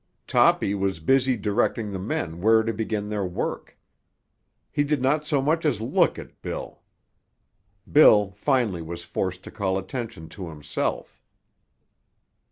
Toppy was busy directing the men where to begin their work. He did not so much as look at Bill. Bill finally was forced to call attention to himself.